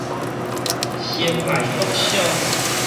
辛亥國小